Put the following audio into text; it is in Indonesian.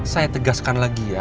saya tegaskan lagi ya